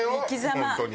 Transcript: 本当に。